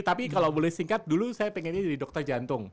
tapi kalau boleh singkat dulu saya pengennya jadi dokter jantung